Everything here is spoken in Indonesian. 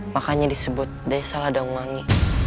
makanya disebut desa ladang wangi